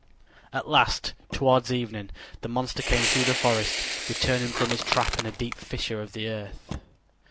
At last, toward evening, the monster came through the forest, returning from his trap in a deep fissure of the earth.